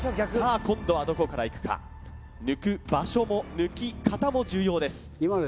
あ今度はどこからいくか抜く場所も抜き方も重要です